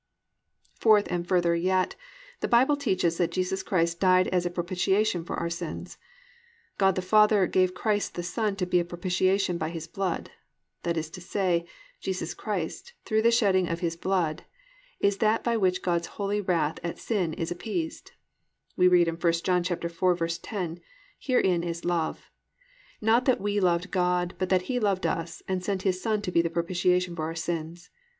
4. Fourth and further yet, the Bible teaches that Jesus Christ died as a propitiation for our sins. God the Father gave Christ the Son to be a propitiation by His blood. That is to say that Jesus Christ, through the shedding of His blood, is that by which God's holy wrath at sin is appeased. We read in 1 John 4:10, +"Herein is love, not that we loved God, but that He loved us, and sent His Son to be the propitiation for our sins."